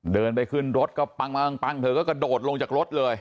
เดินไปขึ้นรถก็ปั้งเธอก็กระโดดลงจากรถเลย